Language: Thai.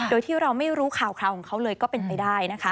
โดยที่เราไม่รู้ข่าวคราวของเขาเลยก็เป็นไปได้นะคะ